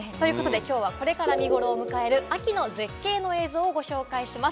今朝はこれから見頃を迎える、秋の絶景の映像をご紹介します。